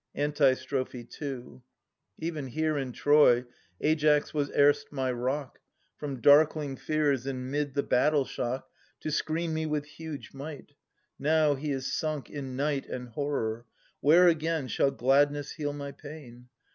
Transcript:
Antistrophe II. Even here in Troy, Aias was erst my rock. From darkling fears and 'mid the battle shock To screen me with huge might; Now he is sunk in night And horror. Where again Shall gladness heal my pain